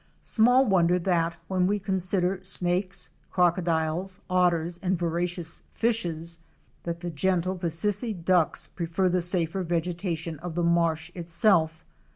Small wonder that, when we consider snakes, crocodiles, otters and voracious fishes, that the gentle Vicissi Ducks prefer the safer vegetation of the marsh itself!